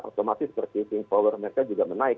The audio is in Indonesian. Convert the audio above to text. otomatis purchasing power mereka juga menaik